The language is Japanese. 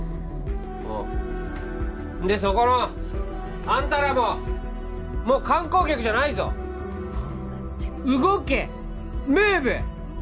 おうでそこのあんたらももう観光客じゃないぞ動けムーブ！